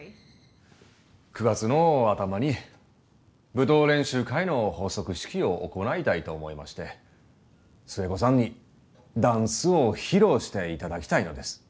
９月の頭に舞踏練習会の発足式を行いたいと思いまして寿恵子さんにダンスを披露していただきたいのです。